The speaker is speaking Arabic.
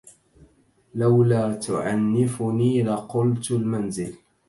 لولا تعنفني لقلت المنزل